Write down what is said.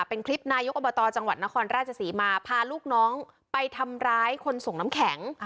เป็นคลิปนายกอบตจังหวัดนครราชศรีมาพาลูกน้องไปทำร้ายคนส่งน้ำแข็ง